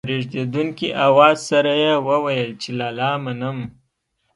په رېږېدونکي اواز سره يې وويل چې لالا منم.